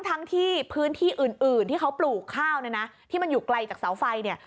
ทั้งที่พื้นที่อื่นที่เขาปลูกข้าวเนี่ยนะที่มันอยู่ไกลจากเสาไฟเนี่ย